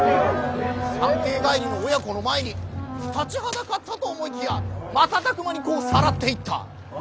参詣帰りの親子の前に立ちはだかったと思いきや瞬く間に子をさらっていった！